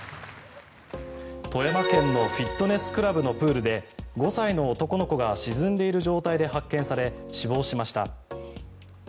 富山県のフィットネスクラブのプールで５歳の男の子が沈んでいる状態で発見され死亡しました。